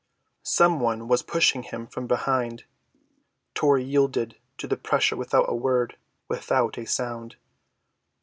Some one was pushing him from behind; Tor yielded to the pressure without a word—without a sound.